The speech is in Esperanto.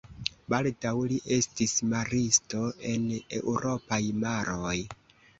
Baldaŭ li estis maristo en eŭropaj maroj.